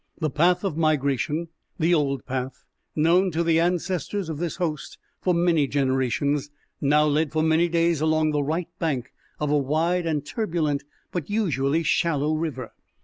The path of migration the old path, known to the ancestors of this host for many generations now led for many days along the right bank of a wide and turbulent but usually shallow river.